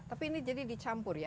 tapi ini jadi dicampur ya